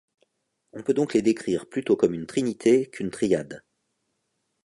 On peut donc les décrire plutôt comme une trinité qu’une triade.